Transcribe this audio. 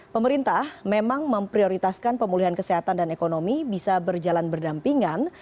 pemerintah memang memprioritaskan pemulihan kesehatan dan ekonomi bisa berjalan berdampingan